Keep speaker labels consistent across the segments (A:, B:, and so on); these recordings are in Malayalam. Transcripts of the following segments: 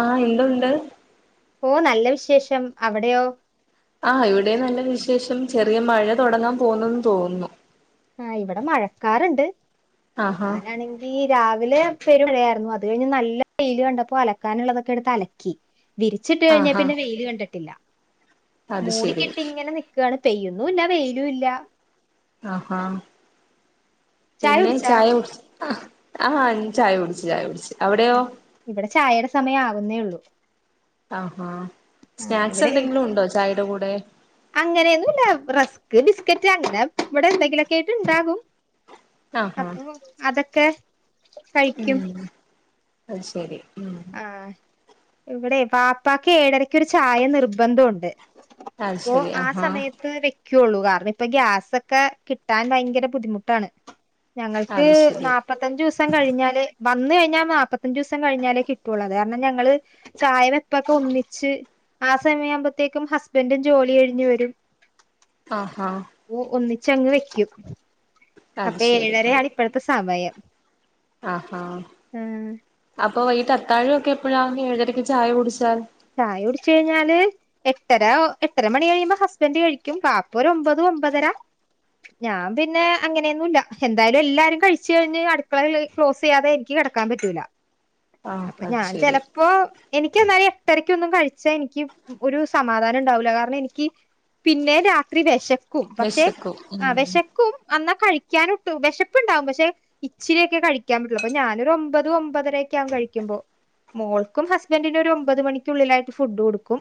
A: ആ എന്തുണ്ട്
B: ഓ നല്ല വിശേഷം അവിടെയോ
A: ആഹ് ഇവിടെം നല്ല വിശേഷം ചെറിയ മഴ തുടങ്ങാ പോന്നുന്ന് തോന്നുന്നു
B: ആ ഇവിടെ മഴക്കാറ്ണ്ട്
A: ആഹാ
B: ഞാനാണെങ്കീ രാവിലെ പെരുമഴയായിരുന്നു അത് കഴിഞ്ഞ് നല്ല വെയില് കണ്ടപ്പോ അലക്കാനുള്ളതൊക്കെ എടുത്ത് അലക്കി വിരിച്ചിട്ട് കഴിഞ്ഞേ
A: ആഹാ
B: പിന്നെ വെയിൽ കണ്ടിട്ടില്ല
A: അത് ശരി
B: മൂടികെട്ടിങ്ങനെ നിക്കാണ് പെയ്യുന്നു ഇല്ല വെയിലു ഇല്ല
A: ആഹാ പിന്നെ ചായ കുടിച ആഹ് ആ ചായകുടിച്ചു ചായ ചായകുടിച്ചു
B: ഇവിടെ ചായയുടെ സമയം ആവ - വുന്നെ ഉള്ളൂ
A: ആഹാ
B: ആ
A: സ്നാക്സ്
B: ഇവിടെ
A: എന്തെങ്കിലും ഉണ്ടോ ചായയുടെ കൂടെ
B: ഇത് ബിസ്ക്കറ്റ് അങ്ങനെ ഇവിടെ എന്തെങ്കിലുമൊക്കെ ആയിട്ട് ഉണ്ടാകും-
A: ആഹാ
B: അപ്പോ അതക്ക്- ക്കെ-
A: ഉം- അത് ശരി- ഉം
B: ആ ഇവിടെ വാപ്പക്ക് ഏഴരക്ക് ഒരു ചായ നിർബന്ധംഒണ്ട്-
A: അത്
B: അപ്പോ
A: ശരി
B: ആ
A: ആഹാ
B: സമയത്ത് വ്- പിക്കുള്ളൂ കാരണം ഇപ്പൊ ഗ്യാസൊക്കെ കിട്ടാൻ ഭയങ്കര ബുദ്ധിമുട്ടാണ്- ഞങ്ങൾക്ക്
A: അത് ശരി
B: നാപത്തഞ്ച്ദിവസം കഴിഞ്ഞാല്- വന്ന് കഴിഞ്ഞാ നാൽപ്പത്തഞ്ച് ദിവസ കഴിഞ്ഞാലേ കി ടുള്ളത് കാരണം ഞങ്ങള് ചായം വെപ്പൊക്കെ ഒന്നിച്ച് ആ സമയ ആവുമ്പോത്തേക്കും ഹസ്ബൻഡും ജോലി കഴിഞ്ഞ് വരും-
A: ആഹ്-
B: ചങ് വെക്കൂ- അപ്പേ എഴേര ആണ് ഇപ്പെഴത്ത- സമയം-
A: ആഹ്
B: ആഹ്
A: അപ്പാേ ഇ- അത്താഴം ഒക്കെ എപ്പോഴാ എഴരേയ്ക്ക് ചായ കുടിച്ചാൽ-
B: ചായ കുടിച്ച കഴിഞ്ഞാല് എട്ടര എട്ടര മണി കഴിയുമ്പോ ഹസ്ബൻഡ് കഴിക്കും ബാപ്പ ഒരു ഒമ്പത് ഒമ്പതര ഞാൻ പിന്നെ അങ്ങനെയൊന്നുംല്ല എന്തായാലും എല്ലാരും കഴിച്ചു കഴിഞ്ഞ് അടുക്കള ക്ലോസ് ചെയ്യാതെ എനിക്ക് കെടക്കാൻ പറ്റൂല-
A: ആഹ്
B: അപ്പൊ
A: അത്
B: ഞാൻ
A: ശരി
B: ചിലപ്പോ എനിക്കൊന്നറിയാ എട്ടരക്കൊന്നും കഴിച്ചാ എനിക്ക് ഒരു സമാധാനം ഉണ്ടാവൂല്ല കാരണം എനിക്ക് പിന്നെ രാത്രി വെശ ക്കും പക്ഷെ
A: വെശക്കും ഉം
B: വിശക്കും ന്നാ കഴിക്കാനൻട്ടു വിശപ്പുണ്ടാവും പക്ഷെ ഇച്ചിരിയൊക്കെ കഴിക്കാൻ പറ്റുള്ളൂ അപ്പൊ ഞാനൊരു ഒമ്പത് ഒമ്പതരൊക്കെ ആകും കഴിക്കുമ്പോ മോൾക്കും ഹസ്ബൻഡ ഒരു ഒമ്പത് മണി ക്കുള്ളിലായിട്ട് ഫുഡ് കൊടുക്കും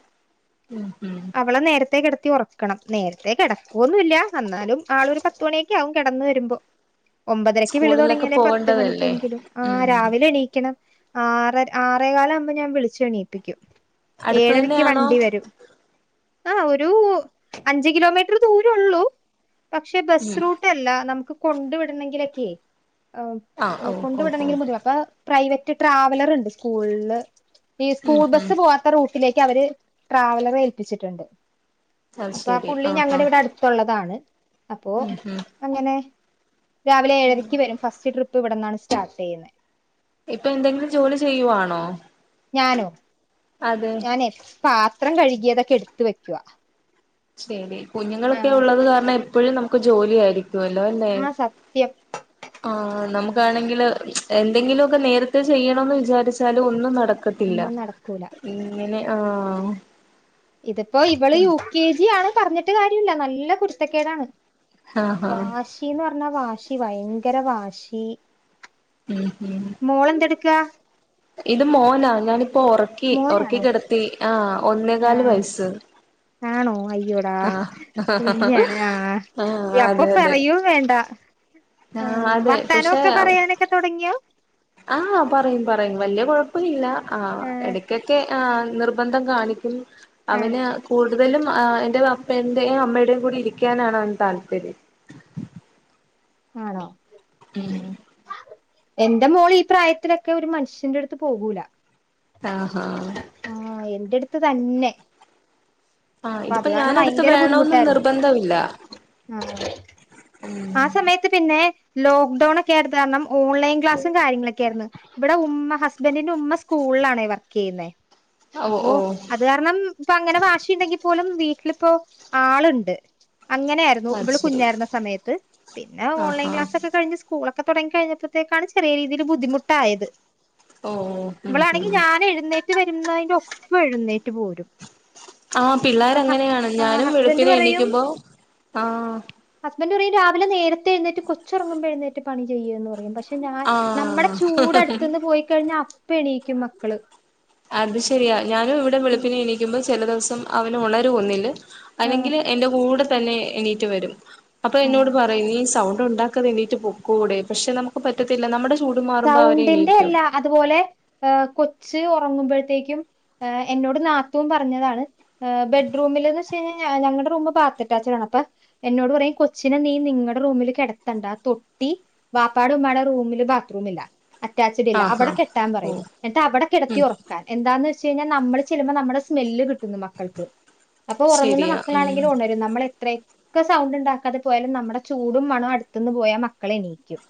A: ഉം ഉം
B: അവളെ നേരത്തേ കെട ത്തി ഉറക്കണം നേരത്തെേ കിടക്കുവൊന്നല്ല എന്നാലും ആളൊ ഒരു പത്തുമണിയക്കെ ആകും കിടന്ന് വരുമ്പോ ഒമ്പതരക്ക് വിളു
A: സ്കൂളിലൊക്കെ
B: തുടങ്ങിയാലേ പത്ത
A: പോകേണ്ടതല്ലേ
B: മണിക്കെങ്കിലും ആ
A: ഉം
B: രാവിലെ എണീക്കണം ആ ആറേകാല ആകുമ്പോ ഞാൻ വിളിച്ചു എണിപ്പിക്കും
A: അടുത്ത്
B: ഏഴരയ്ക്ക്
A: തന്നെയാണോ
B: വണ്ടി വരും ആ ഒരു അഞ്ച കിലോമീറ്റർ ദൂരംള്ളൂ പക്ഷെ ബസ്
A: ഉം
B: റൂട്ട് അല്ല നമുക്ക് കൊണ്ട് വിടുന്നെങ്കിലൊക്കെയെ
A: ആഹ് ഓ
B: കൊണ്ടു
A: ഓ ഓ
B: വിടണമെങ്കിൽ മുതി അപ്പൊ പ്രൈവറ്റ് മറ്റ ട്രാവലർ ഉണ്ട് സ്കൂളില് സ്കൂൾ
A: ഉം ഉം
B: ബസ് റൂട്ടിലേക്ക് അവര് ട്രാവലർ ഏൽപ്പിച്ചിട്ടുണ്ട്
A: അത്
B: അപ്പൊ ആ
A: ശരി
B: പുള്ളി
A: ആഹ്
B: ഞങ്ങളുടെ
A: ആഹ്
B: ഇവിടെ അടുത്തുള്ളതാണ് അപ്പൊ
A: ഉം ഉം
B: അങ്ങനെ രാവിലെ ഏഴരക്ക് വരും ഫസ്റ്റ് ട്രിപ്പ് ഇപ്പ ഇവിടന്നാണ് സ്റ്റാർട്ട് ചെയ്യുന്നത്
A: ഇപ്പൊ എന്തെങ്കിലും ജോലി ചെയ്യുവാണോ
B: ഞാനോ
A: അതെ
B: ഞാനേ പാത്രം കഴുകിയതൊക്കെ എടുത്ത് വെക്കുവാ
A: ശരി കുഞ്ഞുങ്ങളൊക്കെ
B: ആഹ്
A: ഉള്ളത് കാരണം എപ്പോഴും നമ്മുക്ക് ജോലിയായിരിക്കും ഇല്ലോ അല്ലേ
B: ആ സത്യം
A: ആ നമ്മക്ക് എനിക്കാണെങ്കിൽ എന്തെങ്കിലുമ ഒക്കെ നേരത്തെ ചെയ്യണന്ന് വിചാരിച്ചാലും ഒന്നും നടക്കില്ല
B: ഒന്നും നടക്കൂല
A: ഒക്കത്തില്ല ഉ അങ്ങനെ ആഹ്
B: ഇതിപ്പോ ഇവള് യു കെ ജി ആണ് പറഞ്ഞിട്ട് കാര്യമില്ല നല്ല കുരുത്തക്കേടാണ്
A: ആഹ് ആഹ്
B: വാശിന്ന് പറ എന്ന വാശി ഭയങ്കര വാശി
A: ഉം ഹം
B: ക്ക
A: ഇത് മോനാ ഞനി ഇപ്പൊ ഉറക്കി ഉറക്കി
B: മോനാണോ
A: കിടത്തി ആഹ ഒന്നേ
B: ആ
A: കാല് വയസ്സ്
B: ആണോ അ അച്ചട
A: ആഹ്
B: കുഞ്ഞാണ് ആഹ
A: ആഹ്
B: അപ്പൊ
A: അതെ അതെ
B: പറയയും വേണ്ട
A: ആഹ് അതെ
B: വർത്താനോ
A: പക്ഷെ
B: ഒക്കെ പറയാനൊക്കെ തുടങ്ങിയോ
A: കുഴപ്പമില്ല ആഹ
B: ആ
A: എടക്കൊക്കെ ആ നിർബന്ധം കാണിക്കും
B: ആ
A: അവന് കൂടും കൂടുതലും ഏ എന്റെ അപ്പ എന്റെയും അമ്മയുടെേയും കൂടി ഇരിക്കാനാണ് അവന് താല്പര്യം
B: ആണോ ആ
A: ഉം
B: എന്റെ മോള് ഈ പ്രായത്തിലൊക്കെ ഒരു മനുഷ്യന്റെ അടുത്ത് പോകൂല
A: ആഹ ആഹ
B: ആ എന്റെ അടുത്ത് തന്നെ
A: ആഹ
B: അപ്പൊ അത്
A: ഇതിപ്പോ ഞാന
B: കാരണം
A: അടുത്ത്
B: ഭയങ്കര
A: വേണോന്നും
B: ബുദ്ധിമുട്ടായിരുന്നു
A: നിർബന്ധമില്ല
B: ആ
A: ഉം
B: സമയത്ത് പിന്നെ ലോക്ക്ഡൗൺ ഒക്കെയായിട്ടത് കാരണം ഓൺലൈൻ ക്ലാസും കാര്യങ്ങളൊക്കെ ആയിരുന്നു ഇവിടെ ഉമ്മ ഹസ് ഹസ്ബൻഡിന്റെ ഉമ്മ സ്കൂളിലാണേ വർക്ക് ചെയ്യുന്നുന്നത്
A: ഓ
B: അപ്പൊ
A: ഓ
B: അത് കാരണം ഇപ്പ അങ്ങനെ വാശിയുണ്ടെങ്കി പോലും വീട്ടിലിപ്പോ ആളുണ്ട് അങ്ങനെയായിരുന്നു
A: അത്
B: ഇവള്
A: ശരി
B: കുഞ്ഞായിരുന്ന സമയത്ത് പിന്നെ ഓൺലൈൻ
A: ആഹാ
B: ക്ലാസ് ഒക്കെ കഴിഞ്ഞ് സ് സ്ക്കൂളൊക്ക തുടങ്ങി കഴിഞ്ഞപ്പോഴത്തേക്കാണ് ചെറിയ ഒരു രീതിയിൽ ബുദ്ധിമുട്ടായത്
A: ഓ ഉം
B: ഇവളാണെങ്കി
A: ഉം
B: ഞൻ എഴുന്നേ വരുന്നതിന്റെ ഒപ്പംഎഴുന്നേറ്റ് പോരും
A: ആ
B: ഹസ്
A: പിള്ളേരങ്ങനെയാണ് ഞാനും
B: ഹസ്ബൻഡ്
A: വെളുപ്പിനെ
B: പറയും
A: എണീക്കുമ്പോ ആഹ
B: ഹസ്ബൻറ് പറയും രാവിലെ നേരത്തെഴുന്നേറ്റ് കൊച്ചറങ്ങുമ്പഴുന്നേറ്റ് പണി ചെയ്യുന്ന് പറയും പക്ഷേ പെ ഞാൻ നമ്മടെ
A: ആഹ്
B: ചൂട് അടുത്ത്ന്ന് പോയിക്കഴിഞ്ഞാൽ അ പെണീക്കും മക്കള്
A: അത് ശരിയാ ഞാനും ഇവിടെ വെളുപ്പിനെ എണിക്കുമ്പോ ചില ദിവസം അവന് ഉണരുവൊന്നിൽ
B: ആഹ്
A: അല്ലെങ്കിൽ എന്റെ കൂടെ തന്നെ എണീറ്റ് വരും അപ്പൊ
B: ആഹ്
A: എന്നോട് പറയുന്ന നി സൗ ണ്ട് ഉണ്ടാക്കതേണിറ്റ് പൊക്കൂടെ പക്ഷെ നമുക്ക് പറ്റത്തില്ല നമ്മുടെ ഇ
B: സൗണ്ടിന്റെ എല്ലാ അതുപോലെ കൊ കൊച്ച് ഉറങ്ങുമ്പഴത്തേക്കും എന്നോട് നാത്തുൻ പറഞ്ഞതാണ് ബെഡ്റൂമില് നിന്ന് വെച്ച് കഴിഞ്ഞാൽ ഞങ്ങളുടെ റൂമ് ബാത്ത് അറ്റാച്ച്ഡ് ആണ് അപ്പ എന്നോട് പറയും കൊച്ചിനെ നീ നിങ്ങളുടെ റൂമിൽ കിടത്തണ്ട തൊട്ടി വാപ്പാടേം ഉമ്മടേം റൂമിൽ ബാ ത്രൂമില്ല അറ്റാച്ചഡ് ഇല്ല
A: ആഹ്
B: അവിടെ
A: ആഹ്
B: കെട്ടാൻ പറയും
A: ഓഹ്
B: എന്നിട്ട് അവിടെ കിടത്തി
A: ഉം
B: ഉറക്കൻ എന്താന്ന് വെച്ച ച്ച് കഴിഞ്ഞാൽ നമ്മള് ചെല്ലുബോ നമ്മുടെ സ്മെല്ല് കിട്ടുന്നു മക്കൾക്ക് അപ്പൊ ഉറങ്ങുന്ന
A: ശരിയാ ഉം
B: മക്കളാണെങ്കിലും ഉണരും നമ്മൾ എത്രെ ഒക്കെ സൗണ്ട് ഉണ്ടാക്കാതെ പോയാലും നമ്മുടെ ചൂടും മണം അടുത്തുന്ന് പോയാ മക്കളെ എണീക്കും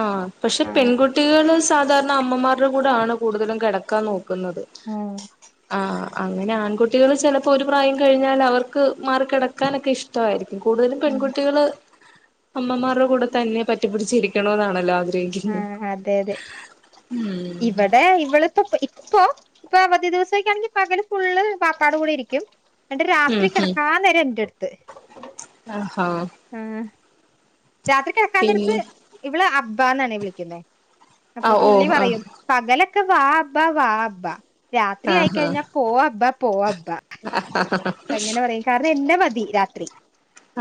A: ആ പക്ഷെ പെൺകുട്ടികള് സാധാരണ അമ്മമാരുടെ കൂടാണ് കൂടുതലും കിടക്കാൻ നോക്കു ക്കുന്നത്
B: ആഹ്
A: ആഹ് അങ്ങനെ ആൺകുട്ടികൾ ചിലപ്പോ ഒരു പ്രായം കഴിഞ്ഞാൽ അവർക്ക് മാറി കിടക്കാനൊക്കെ ഇഷ്ട ഇഷ്ടമായിരിക്കും കൂടുതലും
B: ഉം
A: പെൺകുട്ടികള് അമ്മമാരുടെ കൂടെ തന്നെ പറ്റിപിടിച്ചിരിക്ക ക്കണോന്ന് ആണല്ലോ ആഗ്
B: ആഹ് അതെ അതെ
A: ഉം
B: ഇവിടെ ഇവളിപ്പ ഇപ്പോ ഇപ്പൊ അവധി ദിവസൊക്കാണെങ്കി പകല് ഫുള്ള് വാപ്പാടെ കൂടെ ഇരിക്കും എന്നിട് രാത്രി കിടക്കാൻ നേരം എന്റെട് [unintelligible]
A: ആഹ്
B: ആഹ് രാത്രി കെടക്കാൻ
A: പിന്നെ
B: നേരത്ത് ഇവള് അ ബ്ബാ ന്ന് ആണ് വിളിക്കുന്നെ അപ്പൊ
A: ആഹ് ഓ
B: പുള്ളി പറയും
A: ആഹ്
B: പകലെക് വാ വാബ്ബാ വാബ്ബാ രാത്രി
A: ആഹ് ആഹ്
B: ആയിക്കഴിഞ്ഞാ പോവാബ്ബാ പോവാബ്ബാ എങ്ങനെ പറയും കാരണം എന്നെ മതി രാത്രി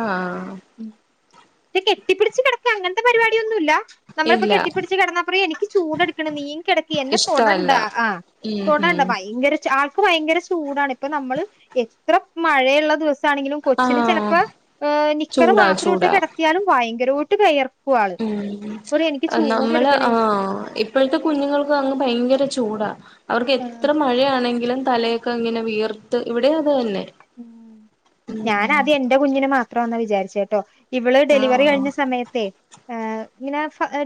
A: ആഹ്
B: ന്നെ കെട്ടിപിടിച്ചു കെടക്ക് ഇല്ല അങ്ങനത്തെ പരിപാടിയൊന്നുല്ല നമ്മളിപ്പോ
A: ഇല്ല
B: കെട്ടിപ്പിടിച്ച് കെടന്നാ പറയും എനിക്ക് ചൂടെടുക്ന്ന് നീങ്ങി കിടക്ക് എന്നെ തൊടണ്ട
A: ഇഷ്ടല്ല
B: ആഹ്
A: ഉം
B: തൊടണ്ടാ
A: ഉം
B: ഭയങ്കര ചാട്ട അവക്ക് ഭയകര ചൂടാണ് ഇപ്പ നമ്മള് എത്ര മഴയുള്ള ദിവസ ണെങ്കിലും കൊച്ചിന്
A: ആഹ്
B: ചിലപ്പോ നിക്കർ
A: ചൂടാ
B: മാത്രമിട്ട്
A: ചൂടാ
B: കിട ഭയങ്കര ആയിട്ടു വിയർ
A: ഉം നമ്മള് ആഹഹ് ഇപ്പോഴത്തെ കുഞ്ഞുങ്ങൾക്ക് അങ്ങ് ഭയങ്കര ചൂടാ. അവർക്ക്
B: ആഹ്
A: എത്ര മഴയാണെങ്കിലും തലയൊക്കെ ഇങ്ങനെ വിയർത്ത് ഇവിടെ അത് തന്നെ.
B: ഉം ഞാന്
A: ഉം
B: ആദ്യം എന്റെ കുഞ്ഞിനെ മാ ത്രാന്നാ വിചാരിച്ചേട്ടോ. ഇവള് ഡെലിവറി
A: ആഹ്
B: കഴിഞ്ഞ സമയത്തേ ഏഹ് ഇങ്ങനെ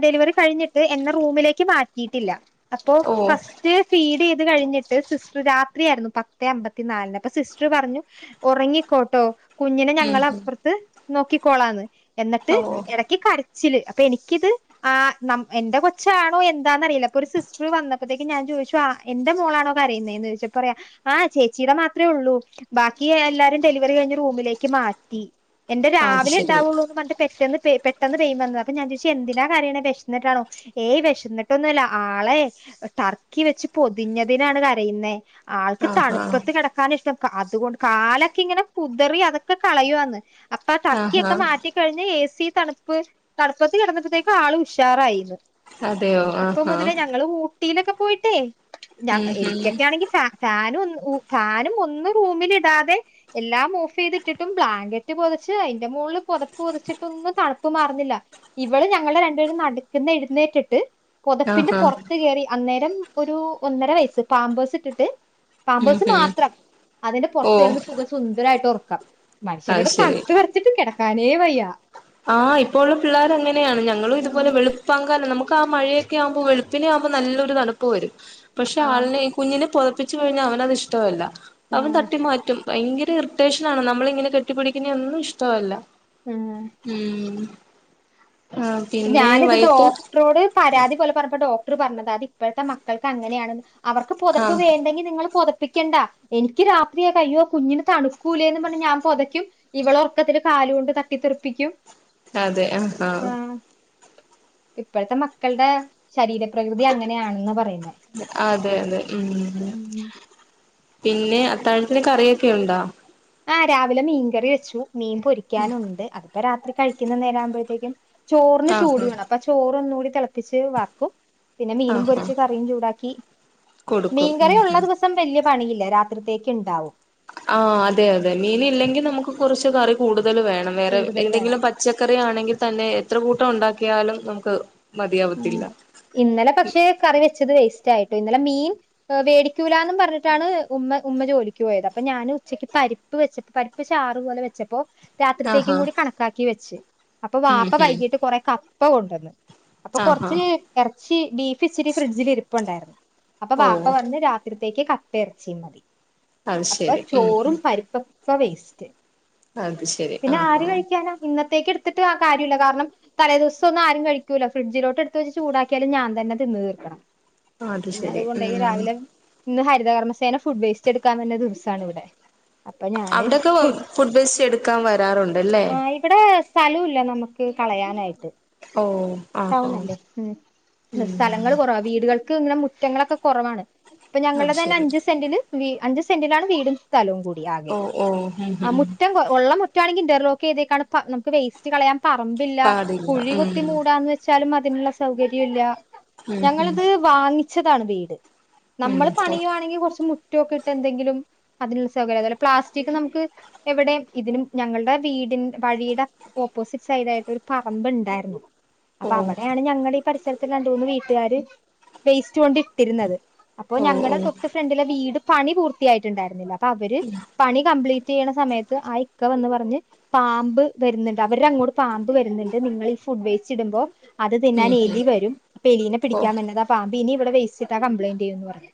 B: ഡെലിവറി കഴിഞ്ഞിട്ട് എന്ന റൂമിലേക്ക് മാറ്റിയിട്ടില്ല അപ്പോ
A: ഓഹ്
B: ഫസ്റ്റ് ഫീഡ് ഇത് കഴിഞ്ഞിട്ട് സിസ്റ്റർ രാത്രിയയിരുന്നു പത്തെ അമ്പത്തി നാലിന് അപ്പൊ സിസ്റ്റർ പറഞ്ഞു ഉറങ്ങിക്കോട്ടോ കുഞ്ഞിനെ
A: ഉം
B: ഞങ്ങള
A: ഉം
B: അപ്പുറത്ത് നോക്കിക്കോളാന്ന് എന്നിട്ട്
A: ഓഹ്
B: ഇടക്ക് കാടി ചില് അപ്പൊ എനിക്കിത് ആ നം എന്റെ കൊച്ചാണോ എന്താന്ന്റിയില്ല പ്പൊരു സിസ്റ്റർ വന്നപ്പോത്തേക്ക് ഞാൻ ചോയിച്ചു ആ എന്റെ മോളാണോ കരയുന്നെന്ന് ചോദിച്ചപ്പറയാ ആ ചേച്ചീടെ മാത്രേ ഉള്ളൂ ബാക്കി എല്ലാരും ഡെലിവറി കഴിഞ്ഞ് റൂമിലേക്ക് മാറ്റി എന്റെ
A: അത്
B: രാവിലെ
A: ശരി
B: ഉണ്ടാവുള്ളൂ എന്ന് പറഞ്ഞ് പെട്ടെന്ന് പെ പെട്ടെന്ന് പെയിൻ വന്നു അപ്പൊ ഞാൻ ചോദിച്ചെ എന്തിനാ കരയണേ വെശ്ന്നിട്ടാണോ ഏയ് വിശന്നിട്ടൊന്നുല്ല ആളെ ടർക്കി വെച്ച് പൊതിഞ്ഞതിനാണ് കരയുന്നേ ആൾക്ക്
A: ആഹ് ആഹ്
B: തണുപ്പത്ത് കിടക്കാന ഇഷ്ടം ആ അതുകൊണ്ട് കാലൊക്കെ ഇങ്ങനെ കുതറി അതൊക്കെ കളയുവാന്ന് അപ്പൊ ആ ടർക്കി
A: ആഹ്
B: യൊക്കെ
A: ആഹ്
B: മാറ്റി കഴിഞ് ഏ സി ഈ തണുപ്പ് തണുപ്പത്ത് കിടന്നപ്പോഴത്തേക്കു ആള് ഉഷാറായിന്ന്
A: അതെയോ ആ ഹാ
B: ഊട്ടി ലൊക്കെ പോയിട്ടേ ഞ എനിക്കൊക്കെ ആണെങ്കി ഫാ ഫാനുംഒന്ന് ഉ ഫാനും ഒന്ന് റൂമിൽ ഇടാതെ എല്ലാം ഓഫ് ചെയ്തിട്ടിട്ടും ബ്ലാങ്കറ്റ് പൊതിച്ച് അയിന്റെ മോള് പൊതപ്പ് പൊതിച്ചിട്ടൊന്നും തണുപ്പ് മാറുന്നില്ല ഇവള് ഞങ്ങളെ രണ്ടുപേരും നടക്കുന്ന എഴുന്നേറ്റിട്ട് പൊതപ്പിന്റെ
A: ആഹ് ആഹ്
B: പുറത്ത് കയറി അന്നേ രൻ ഒരു ഒന്നര വയസ്സ് പാമ്പേസ് ഇട്ടിട്ട്
A: ഉം
B: പാമ്പേസ്
A: ഉം
B: മാത്രം അതിന്റെ
A: ഓഹ്
B: പുറത്ത്കിടന്നു സുഖ സുന്ദര ഖാ യിട്ട് ഒറക്കാം
A: അത്
B: മൻശനിവിടെ
A: ശരി
B: തണുത്ത് വെർച്ചിട്ട് കെടക്ക ക്കാനെ വയ്യ
A: ആഹ് ഇപ്പോ ഉള്ള പിള്ളേർ അങ്ങനെയാണ് ഞങ്ങളും ഇതുപോലെ വെളു പ്പാങ്കാലം നമുക്ക് ക്ക മഴയൊക്കെ ആഉമ്പോ വെളുപ്പിനെ ആവുമ്പോ നല്ല ത് തണുപ്പ് വരും പക്ഷെ
B: ആ
A: ആളിനെ കുഞ്ഞിനെ പുതപ്പിച്ച് കഴിഞ്ഞാ അവനതിഷ് ടവല്ല
B: ആ
A: അവൻ തട്ടി മാറ്റും ഭയങ്കര ഇറിട്ടേഷനാണ് നമ്മളിങ്ങനെ കെട്ടിപ്പിടിക്ന്നെ ഒന്നും ഇഷ്ടവല്ല
B: ഉം
A: ഉം ആഹ് പിന്നെ
B: ഞാനിത്
A: വൈകിട്ട്
B: ഡോക്ടറോട് പരാതി പോലെ പറഞ്ഞപ്പോ ഡോക് പറഞ്ഞത് അത് ഇപ്പോഴത്തെ മക്കൾക്ക് അങ്ങനെയാണെന്ന് അവർക്ക് പൊതപ്പ്
A: ആഹ്
B: വേണ്ടെങ്കിൽ നിങ്ങൾ പുത പൊതപ്പിക്കണ്ട എനിക്ക് രാത്രി അയ്യോ കുഞ്ഞിന് തണുക്കൂലേന്ന് പറഞ്ഞ് ഞാൻ പൊതയ്ക്കും ഇവൾ ഉറക്കത്തിൽ കാല് കൊണ്ട് തട്ടിത്തെറുപ്പിക്കും
A: അതെ ആ ആഹ
B: ഇപ്പോഴത്തെ മക്കളുടെ ശരീരപ്രകൃതി അങ്ങനെയാണന്നാ പറയുന്നത്
A: അതെ അതെ ഉം
B: ഉം
A: പിന്നെ അത്താഴത്തിന് കറിയൊക്കെ ഉണ്ടോ
B: ആ രാവിലെ മീൻകറി വെച്ചു മീൻ പൊരിക്കാനുണ്ട് അത് ഇപ്പൊ രാത്രി കഴിക്കുന്ന നേരാകുമ്പോഴത്തേക്കും ചോറിന്
A: ആഹ്
B: ചൂട്
A: ആഹ്
B: വേണം അപ്പ ചോറൊന്ന് കൂടി തിളപ്പിച്ച് വാർക്കും പിന്നെ മീനും
A: ആഹ് ആഹ്
B: പൊരിച്ച് കറിയും ചൂടാക്കി
A: കൊടുക്കും ഉം
B: മീൻകറി ഉള്ള
A: ഉം
B: ദിവസം വല്യ പണിയില്ല രാത്രിത്തേക്ക് ഇണ്ടാവും
A: അ ആ അതെ അതെ മീൻ ഇല്ലെങ്കിൽ നമ്മുക്ക് കുറച്ച് കറി കൂടും കൂടുതൽ വേണം വേറെ
B: കൂടുതൽ വേണം
A: എന്തെങ്കിലും പച്ചക്കറി ആണെങ്കിൽ തന്നെ എത്ര കൂട്ടം ഉണ്ടാക്കി ക്ക്യാലും നമ്മുക്ക്
B: ആ ഇന്നലെ പക്ഷേ കറി വെച്ചത് വേസ്റ്റ് ആയി ഇന്നലെ മീൻ വേടിക്കൂലാന്നും പറഞ്ഞിട്ടാണ് ഉമ്മ ഉമ്മ ജോലിക്ക് പോയത് അപ്പൊ ഞാൻ ഉച്ചക്ക് പരിപ്പ് വെച്ചപ്പോ പരിപ്പ് ചാറ് പോലെ വെച്ചപ്പോ
A: ആഹാ
B: രാത്രിത്തേക്കും കൂടി കണക്കാക്കി വെച്ച് അപ്പൊ
A: ഉം
B: വാപ്പ
A: ഉം
B: വൈകിട്ട് കൊറെ കപ ഇപ്പ കൊണ്ടുവന്ന് അപ്പൊ
A: ആഹാ
B: കുറച്ച് ഇറച്ചി ബീഫ് ഇച്ചിരി ഫ്രിഡ്ജിലിരിപ്പുണ്ടായിരുന്നു അപ്പൊ
A: ഓ
B: വാപ്പ പറഞ്ഞ് രാത്രി തേക്ക് കപ്പ ഇറച്ചിയും മതി
A: അത്
B: അപ്പോ
A: ശരി ഉം ഉം
B: ചോറും പരിപ്പും ഇപ്പ വേസ്റ്റ്
A: അത് ശരി
B: പിന്നെ ആര്
A: ആഹാ
B: കഴിക്കാനാ ഇന്നതെ ത്തേക്കെടുത്തിട്ട് ആ കാര്യല്ല, കാരണം തലേ ദിവസം ഒന്നും ആരും കഴിക്കൂല. ഫ്രിഡ്ജിലോട്ടെടുത്ത് വെച്ച് ചൂടാക്കിയാലും ഞാൻ തന്നെ തിന്ന് തീർക്കണം.
A: ആ അത്
B: പിന്നെ
A: ശെരി
B: അതുകൊണ്ടേക്ക്
A: മ്
B: രാവിലെ ഇന്ന് ഹരിതകർമ്മസേന ഫുഡ് വേസ്റ്റ് എടുക്കാൻ വന്ന ദിവസാണ് ഇവിടെ. അപ്പൊ ഞാന്
A: അവിടൊക്കെ വ
B: കൊടുത്തു
A: ഫുഡ്‌ വേസ്റ്റെടുക്കാൻ വരാറുണ്ടല്ലേ?
B: സ്ഥലുല്ല നമ്മക്ക് കളയാനായിട്ട്.
A: ഓ ആഹാ
B: ടൗണല്ലേ മ് സ്ഥലങ്ങൾ
A: ഉം
B: കുറവ വീടുകൾക്ക് ഇങ്ങനെ മു റ്റങ്ങളൊക്കെ കൊറവാണ്. ഇപ്പ ഞങ്ങൾടെ
A: അത്
B: തന്നെ
A: ശരി
B: അഞ്ച് സെന്റില് വി അഞ്ച് സെന്റിലാണ് വീടും സ്ഥലവും കൂട് [unintelligible] ആകെ
A: ഓ ഓ ഉം
B: ആ
A: ഉം
B: മുറ്റം കൊ ഒള്ള മുറ്റ് റ്റാണെങ്കി ഇന്റർലോക്ക് ചെയ്തേക്കാണ് പ്പ നമ്മക്ക് വേസ്റ്റ് കളയാം. പറമ്പില്ല,
A: പാടില്ല
B: കുഴി
A: ഉം
B: കുത്തി മൂടാന്ന് വെ ലും അതിനുള്ള സൗകര്യല്ല.
A: ഉം
B: ഞങ്ങളിത് വാങ്ങിച്ച് റ്റതാണ് വീട്.
A: ഉം
B: നമ്മള്
A: ഉം
B: പണിയുവാണെങ്കി കൊറച്ച് മുറ്റ് റ്റൊക്കെ ഇട്ട് എന്തെങ്കിലും അതിനുള്ള സൗകര്യം അതെപോലെ പ്ലാസ്റ്റിക് നമുക്ക് എവിടെ ഇതിനും ഞങ്ങളുടെ വീടിന് വഴിടെ ഓപ്പോസിറ്റ് സൈഡ് ആയിട്ട് ഒരു പറമ്പ് ഇണ്ടാരുന്നു. അപ്പ
A: ഓ
B: അവിടയാണ് ഞങ്ങടെ ഈ പരിസര ത്ത് രണ്ട് മൂന്ന് വീട്ടുകാര് വേസ്റ്റ് കൊണ്ട് ഇട്ടിരുന്നത്. അപ്പോ
A: ഓ ഓ
B: ഞങ്ങടെ തൊട്ടു
A: ഉം
B: ഫ്രണ്ടിലെ വീട് പണി പൂർത്തിയായിട്ടുണ്ടായിരുന്നില്ല. പ്പ അവര് പണി കംപ്ലീറ്റ് ചെയ്യണ സമയത്ത് ആ ഇക്ക വന്ന് പറഞ്ഞ് പാമ്പ് വെരുന്നിണ്ട്, അവരടങ്ങോട്ട് പാമ്പ് വരുന്നിണ്ട്, നിങ്ങളീ ഫുഡ് വേസ്റ്റിടുമ്പോ അത്
A: ഉം
B: തിന്നാനെലി വരും പ്പ എലീനെ
A: ഓ
B: പിടിക്കാൻ വേന്നതാ പാമ്പ് ഇനി ഇവിടെ വേസ്റ്റിട്ട കംപ്ലയിന്റു ചെയ്യും ന്ന് പറഞ്ഞു.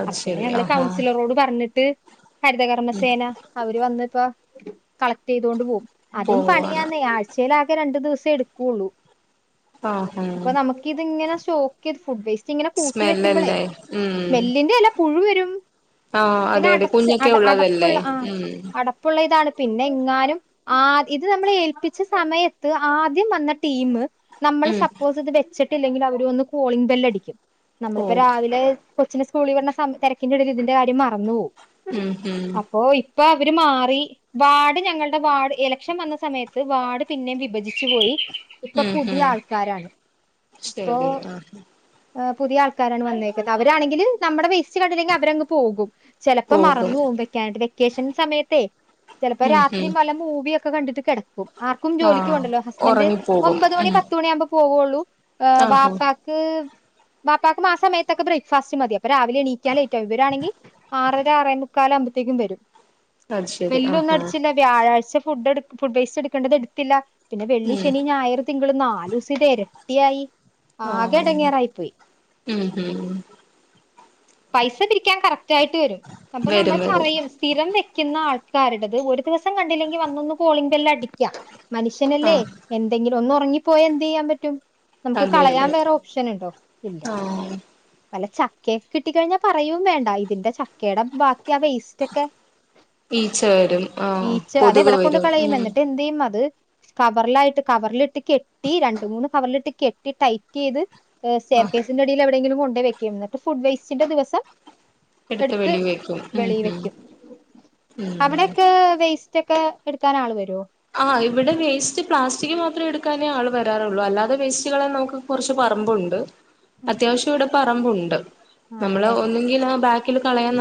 A: അത്
B: അപ്പത്തന്നെ
A: ശരി
B: ഞങ്ങള്
A: ആഹാ
B: കൗൺസിലറോട് പറഞ്ഞിട്ട്
A: ഉം
B: ഹരിതകർമ്മസേന അവര് വന്നിപ്പോ കളക്റ്റെയ്തൊണ്ട് പോവും. അതും
A: പോവാണ്
B: പണിയാന്നേ, ആഴ്ച്ചേലാകെ രണ്ട് ദിവസ് സേടുക്കുള്ളൂ.
A: ആഹാ
B: അപ്പ നമുക്ക് ഇതിങ്ങനെ സ്റ്റോക്ക് ചെയ്ത് ഫുഡ് വേസ്റ്റിങ്ങനെ കൂട്ടി വെക്കുമ്പളേ
A: സ്മെല്ലല്ലേ
B: സ്മെല്ലിന്റെയെല്ലാ പുഴു വരും.
A: ആ
B: പിന്നെ
A: അതെ അതെ
B: അടച്ച്
A: കുഞ്ഞൊക്കെ
B: അട
A: ഒള്ളതല്ലേ ഉം.
B: പിന്നെങ്ങാനും ആ ഇതു നമ്മളെ ഏൽപ്പിച്ച സമയത്ത് ആദ്യം വന്ന ടീമ് നമ്മളു
A: ഉം
B: സപ്പോസ് ഇത് വെച്ചി ട്ടില്ലെങ്കിലവര് വന്ന് കോളിംഗ് ബെല്ലടിക്കും.
A: ഓ
B: നമ്മളിപ്പ രാവിലേ കൊച്ചിനെ സ്കൂളിവിടണ സമ തിരക്കിന്റെറടെല് ഇതിന്റെകാര്യം മറന്നുപോവും.
A: ഉം ഉം
B: ഇപ്പൊ അവര് മാറി വാർഡ് ഞങ്ങളുടെ വാർഡ്, ഇലക്ഷൻ വന്ന സമയത്ത് വാർഡ് പിന്നേം വിഭജിച്ചു പോയി. പ്പൊ ഇപ്പ
A: ഉം
B: പൂ തിയ
A: ഉം
B: ആൾക്കാരാണ് അപ്പോ
A: ശരി ആഹ്
B: ഹ് പുതിയ ആൾക്കാരാണ് വന്നേക്കുന്ന അവരാണെങ്കില് നമ്മടെ വേസ്റ്റ് കണ്ടില്ലെങ്കിൽ അവരങ്ങ് പോകും. ചെലപ്പം
A: പോകും
B: മറന്നുപോവും വെക്കാൻട്. കേഷൻ സമയത്തേ ചെലപ്പൊ
A: ഉം
B: രാത്രി
A: ഉം
B: നല്ല മൂവിയൊക് ക്കെ കണ്ടിട്ട് കെടക്കും. ആർക്കും
A: ആഹ്
B: ജോലിക്ക്പോണ്ടല്ലോ ഹസ്ബന്റ്
A: ഉറങ്ങിപ്പോകും
B: ഒമ്പതുമണി
A: ഉം
B: പത്തുമണിയാമ്പം പോവ്വോള്ളൂ? ആ
A: ആഹാ
B: ബാപ്പാക്ക് ബാപ്പാക്കുമാസംയെത്തൊക്കെ ബ്രേക്ക്ഫാസ്റ്റ് മതി അപ്പ രാവിലെണീക്കാലേറ്റാവും ഇവരാണെങ്കി ആറര ആറേമുക്കാലാമ്പത്തെക്കും വരും.
A: അത് ശരി ആഹാ
B: വെല്ല്വോന്നടിച്ചില്ല വ്യാഴാഴ്ച ഫുഡ് എട് ഫുഡ്വേസ്റ്റ് എടുക്കണ്ടതെടുത്തില്ല. പിന്നെ വെള്ളി
A: ഉം
B: ശനി ഞായറ് തിങ്കള് നാലുസിതെര ട്ടിയായി ആകെ
A: ആഹ്
B: എടെങ്ങേറായി
A: ഉം ഉം
B: പൈസ പിരിക്കാൻ കറക്റ്റായിട്ട് വരും അപ്പൊ നമ്മൾ
A: വരും വരും
B: പറയും സ്ഥിരം വെക്കുന്ന ന്നാൾക്കാരുടെത് ഒരു ദിവസം കണ്ടില്ലെങ്കി വന്നൊന്ന് കോളിംഗ ബെല്ലടിക്കാം മനുഷ്യനല്ലേ
A: ആഹ്
B: എന്തെങ്കിലും ഒന്ന് ഉറങ്ങിപ്പോയ എന്തെയ്യാൻ പറ്റും നമുക്ക് കളയാൻ വേറെ ഓപ്ഷനുണ്ടോ
A: ആ
B: വല്ല ചക്കയൊക്കെ കിട്ടിക്കഴിഞ്ഞാ പറയും വേണ്ട ഇതിന്റെ ചക്കയുടെ ബാക്കി ആ വേസ്റ്റൊക്കെ
A: ഈച്ച വരും ആ കൊതുക്
B: അതെവിടെ കൊണ്ട്
A: വരും
B: കളയും
A: ഉം
B: എന്നിട്ട് എന്ത് ചെയ്യും അത് കവറിലായിട്ട് കവറിലിട്ടി കെട്ടി രണ്ട് മൂന്ന് കവറിലിട്ടി കെട്ടി ടൈറ്റ് യ്ത് ചർ
A: ആഹ്
B: കേസിന്റെടിയില് അ തെങ്കിലും കൊണ്ടെയിവെക്കും ങ്ങട്ട് ഫുഡ് വെസ്റ്റിന്റ ദിവസം എടുത്ത്
A: വെളി വെക്കും ഉം
B: വെളിയി
A: ഉം
B: വെക്കും അവിടെക്കെ വേസ് ച്ചെക്കെ എടുക്കാൻ ആള് വരോ
A: ആ് ഇവിടെ വേസ്റ്റ് പ്ലാസ്റ്റിക് മാത്രേ എടുക്കാനേ ആൾ വരാറുള്ളൂ അല്ലാതെ വേസ്റ്റുകളെ നമുക്ക് കുറച്ച് പറമ്പുണ്ട് അത്യാവശ്യം ഇവിടെ പ തമ്പുണ്ട്
B: ആണല്ലേ
A: നമ്മള് ഒന്നങ്കിലാ ബാക് ക്കലു കളയാന്ന